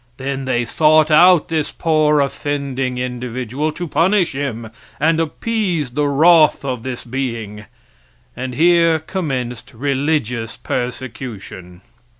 Then they sought out this poor offending individual, to punish him and appease the wroth of this being. And here commenced religious persecution.